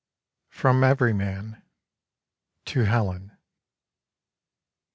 (From Everyman.) To Helen.